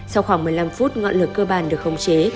sau khoảng một mươi năm phút ngọn lửa cơ bản được khống chế